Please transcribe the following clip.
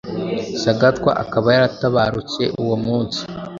Sagatwa akaba yaratabarutse uwo munsi